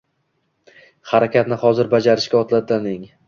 Harakatni hozir bajarishga odatlaning